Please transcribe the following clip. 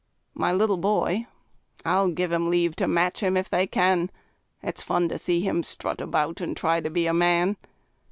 My little boy I'll give 'em leave to match him, if they can; It's fun to see him strut about, and try to be a man!